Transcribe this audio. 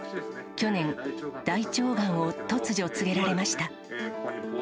去年、大腸がんを突如告げられました。